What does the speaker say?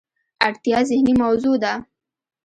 اړتیا ذهني موضوع ده.